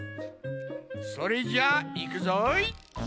それじゃいくぞい！